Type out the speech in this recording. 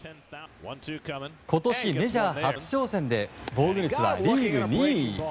今年メジャー初挑戦で防御率はリーグ２位。